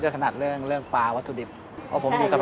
ผมขนาดเรื่องฟ้าวัตถุดิบ